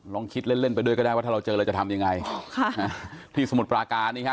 ลองคิดเล่นเล่นไปด้วยก็ได้ว่าถ้าเราเจอเราจะทำยังไงที่สมุทรปราการนี้ฮะ